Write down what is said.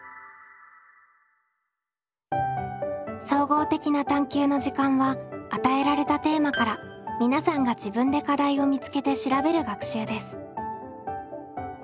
「総合的な探究の時間」は与えられたテーマから皆さんが自分で課題を見つけて調べる学習です。